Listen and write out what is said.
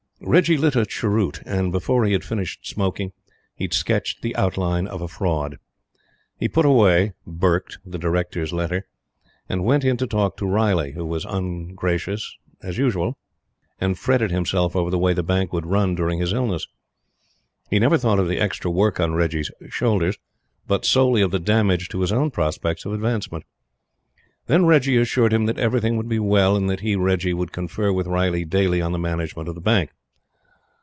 Reggie lit a cheroot, and, before he had finished smoking, he had sketched the outline of a fraud. He put away "burked" the Directors letter, and went in to talk to Riley, who was as ungracious as usual, and fretting himself over the way the bank would run during his illness. He never thought of the extra work on Reggie's shoulders, but solely of the damage to his own prospects of advancement. Then Reggie assured him that everything would be well, and that he, Reggie, would confer with Riley daily on the management of the Bank.